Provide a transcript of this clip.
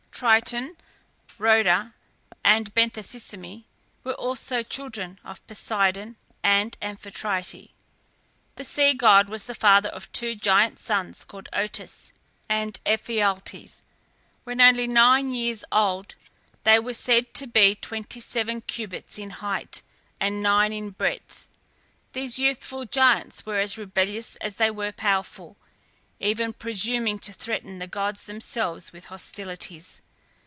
Triton, Rhoda, and Benthesicyme were also children of Poseidon and Amphitrite. The sea god was the father of two giant sons called Otus and Ephialtes. When only nine years old they were said to be twenty seven cubits in height and nine in breadth. These youthful giants were as rebellious as they were powerful, even presuming to threaten the gods themselves with hostilities.